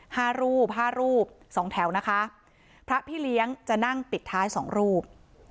ห้ารูปห้ารูปสองแถวนะคะพระพี่เลี้ยงจะนั่งปิดท้ายสองรูป